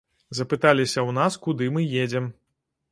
Запыталіся ў нас, куды мы едзем.